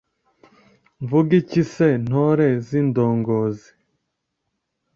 mvuge iki se ntore z’indongozi